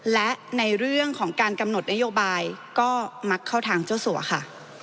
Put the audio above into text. และในเรื่องของการกำหนดนโยบายก็มักเข้าทางเจ้าสัวค่ะ